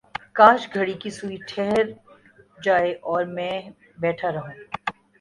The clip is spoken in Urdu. کاش گھڑی کی سوئ ٹھہر ج اور میں ی بیٹھا ر